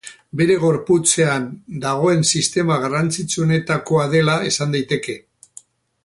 Gure gorputzean dagoen sistema garrantzitsuenetakoa dela esan daiteke.